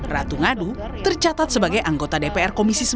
ratu ngadu tercatat sebagai anggota dpr komisi satu